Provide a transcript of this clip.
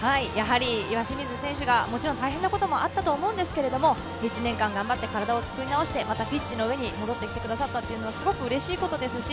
岩清水選手が大変なこともあったと思うんですけれど、１年間頑張って体を作り直して、ピッチの上に戻って来てくれたのは、うれしいことです。